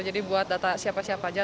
jadi buat data siapa siapa aja